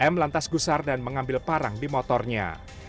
m lantas gusar dan mengambil parang di motornya